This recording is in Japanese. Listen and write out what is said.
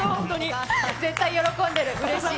絶対喜んでる、うれしい。